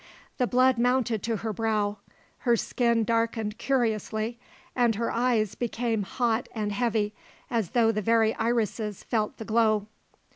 The blood mounted to her brow; her skin darkened curiously, and her eyes became hot and heavy as though the very irises felt the glow.